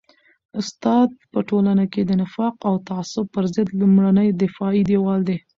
استاد په ټولنه کي د نفاق او تعصب پر ضد لومړنی دفاعي دیوال دی.